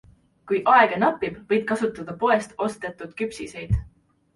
Kui aega napib, võid kasutada poest ostetud küpsiseid.